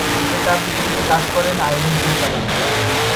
এতে তার বিপরীতে কাজ করেন আইরিন সুলতানা।